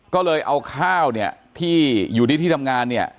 ก็เลยเอาข้าวเนี่ยที่อยู่ที่ทำงานเนี่ย